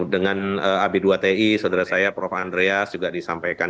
dengan ab dua ti saudara saya prof andreas juga disampaikan